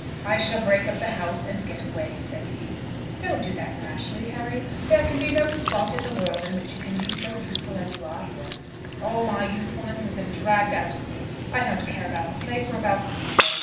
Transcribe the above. "I shall break up the house and get away," said he. "Don't do that rashly, Harry. There can be no spot in the world in which you can be so useful as you are here." "All my usefulness has been dragged out of me. I don't care about the place or about the people.